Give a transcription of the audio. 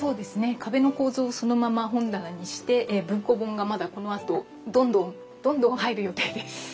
壁の構造をそのまま本棚にして文庫本がまだこのあとどんどんどんどん入る予定です。